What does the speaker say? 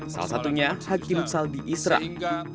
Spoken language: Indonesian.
salah satunya hakim saldi israq